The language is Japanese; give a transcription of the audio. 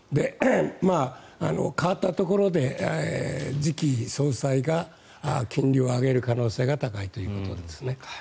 代わったところで次期総裁が金利を上げる可能性が高いということですね。